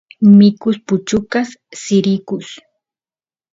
mikus puchukas sirikuy